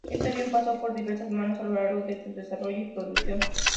Este avión pasó por diversas manos a lo largo de su desarrollo y producción.